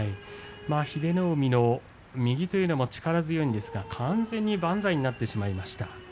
英乃海の右というのも力強いんですけども完全に万歳になってしまいました。